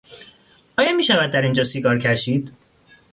آیا میشود در این جا سیگار کشید؟